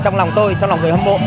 trong lòng tôi trong lòng người hâm mộ